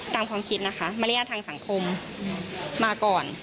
ความคิดนะคะมารยาททางสังคมมาก่อน